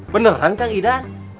beneran kang idan